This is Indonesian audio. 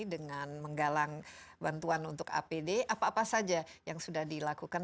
dengan menggalang bantuan untuk apd apa apa saja yang sudah dilakukan